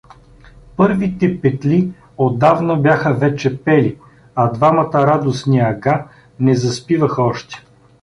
Първите петли отдавна бяха вече пели, а двамата радостни ага не заспиваха още.